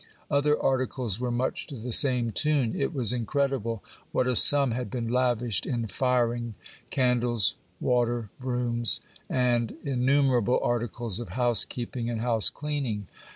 Other articles were much to the same tune. It was incredible what a sum had been lavished in firing, candles, water, brooms, and innumerable articles of housekeeping and house cleaning.